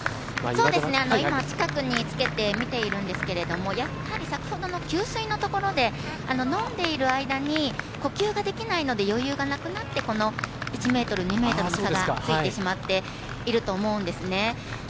今、近くにつけて見ているんですけれどもやはり先ほどの給水のところで飲んでいる間に呼吸ができないので余裕がなくなってこの１ｍ、２ｍの差がついてしまっていると思うんですね。